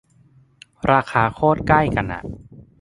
ราคาโคตรใกล้กันอ่ะ